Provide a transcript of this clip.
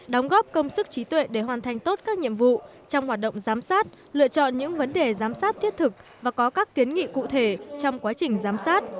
đóng góp công sức trí tuệ để hoàn thành tốt các nhiệm vụ trong hoạt động giám sát lựa chọn những vấn đề giám sát thiết thực và có các kiến nghị cụ thể trong quá trình giám sát